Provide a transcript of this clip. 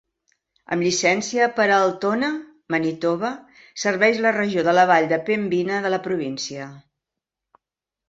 Amb llicència per a Altona, Manitoba, serveix la regió de la vall de Pembina de la província.